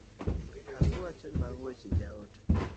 Asu wacho ni mago weche ja ote.